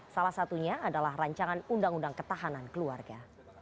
salah satunya adalah rancangan undang undang ketahanan keluarga